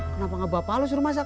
kenapa gak bapak pale suruh masak